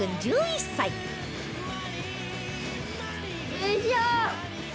よいしょ！